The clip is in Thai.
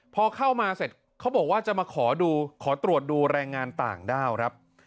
พอเข้ามาเสร็จเขาบอกว่าจะมาขอดูขอตรวจดูแรงงานต่างด้าวครับ